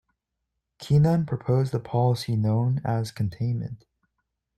Kennan proposed a policy known as Containment.